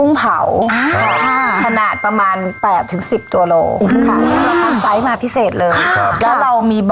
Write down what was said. น่าทำมากค่ะ